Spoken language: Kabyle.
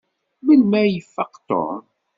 Melmi ay ifaq Tom?